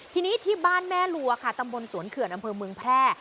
ทีนี้ที่บ้านแม่ลัวค่ะตำบลสวนเขื่อนอำเภอเมืองแพร่